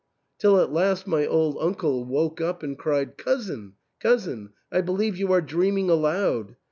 " till at last my old uncle woke up and cried, " Cousin, cousin ! I believe you are dreaming aloud.